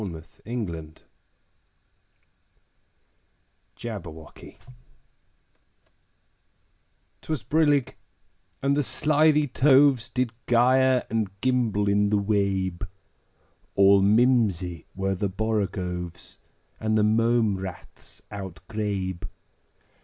Lewis Carroll Jabberwocky 'TWAS brillig, and the slithy toves Did gyre and gimble in the wabe: All mimsy were the borogoves, And the mome raths outgrabe.